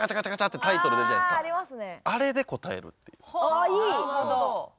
ああいい！